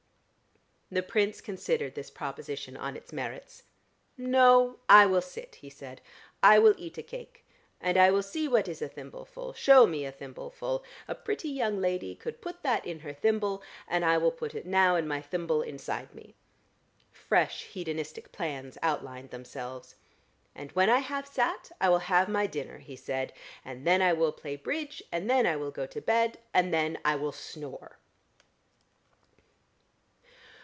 The Prince considered this proposition on its merits. "No: I will sit," he said. "I will eat a cake. And I will see what is a thimbleful. Show me a thimbleful. A pretty young lady could put that in her thimble, and I will put it now in my thimble inside me." Fresh hedonistic plans outlined themselves. "And when I have sat, I will have my dinner," he said. "And then I will play Bridge, and then I will go to bed, and then I will snore!"